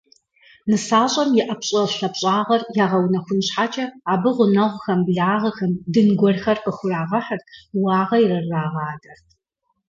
НысащӀэм и ӀэпщӀэлъапщӀагъэр ягъэунэхун щхьэкӀэ абы гъунэгъухэм, благъэхэм дын гуэрхэр къыхурагъэхьырт, уагъэ ирырагъадэрт.